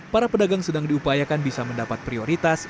para pedagang sedang diupayakan bisa mendapat prioritas